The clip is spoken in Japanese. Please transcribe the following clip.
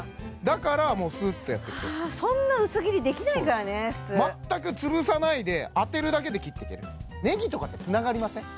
だからもうスーッとやってくとそんな薄切りできないからね普通全く潰さないで当てるだけで切っていけるネギとかってつながりません？